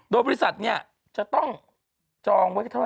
โดยบริษัทเนี่ยจะต้องจองไว้เท่าไ